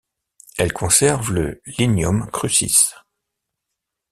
Elle conserve le Lignum Crucis.